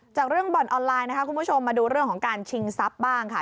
จากเรื่องโบรนด์ออนไลน์คุณผู้ชมมาดูเรื่องของการชิงซับบ้าง